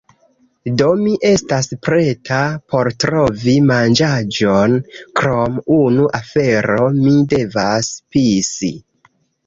Do, mi estas preta por trovi manĝaĵon krom unu afero mi devas pisi